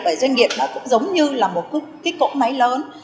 doanh nghiệp đó cũng giống như là một cỗ máy lớn